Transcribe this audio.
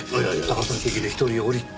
高崎駅で１人降りて。